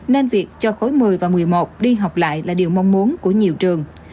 nên việc cho khối một mươi và một mươi một đi học lại là điều mong muốn của nhiều trường